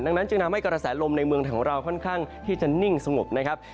ดังนั้นจึงทำให้กระแสลมในเมืองของเราค่อนข้างที่จะนิ่งสงบนะครับ